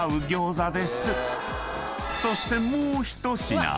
［そしてもう１品］